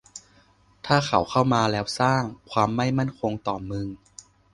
แต่เขาเข้ามาแล้วสร้าง ความไม่มั่นคงต่อมึง